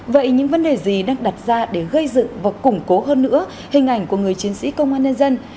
vậy những vấn đề gì đang đặt ra để gây dựng và củng cố hơn nữa hình ảnh của người chiến sĩ công an nhân dân